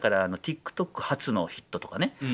だからＴｉｋＴｏｋ発のヒットとかね